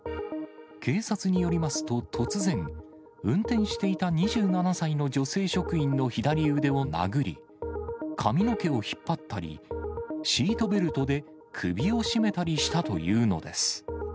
警察によりますと、突然、運転していた２７歳の女性職員の左腕を殴り、髪の毛を引っ張ったり、シートベルトで首を絞めたりしたというのです。